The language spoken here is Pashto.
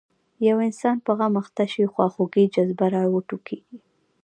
یو انسان په غم اخته شي خواخوږۍ جذبه راوټوکېږي.